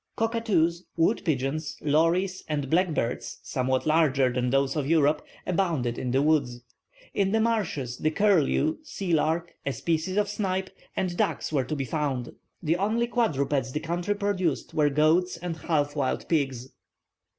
Cockatoos, wood pigeons, lories, and black birds, somewhat larger than those of Europe, abounded in the woods. In the marshes the curlew, sea lark, a species of snipe, and ducks were to be found. The only quadrupeds the country produced were goats and half wild pigs.